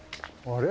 あれ？